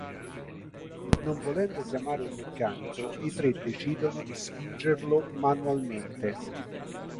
Non volendo chiamare un meccanico i tre decidono di spingerlo manualmente.